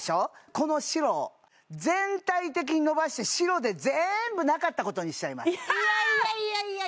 この白を全体的に伸ばして白でぜーんぶなかったことにしちゃいますいやいやいや！